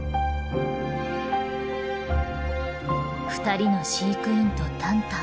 二人の飼育員とタンタン。